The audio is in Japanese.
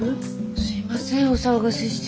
すいませんお騒がせして。